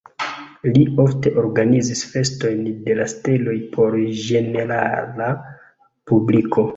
Li ofte organizis festojn de la steloj por ĝenerala publiko.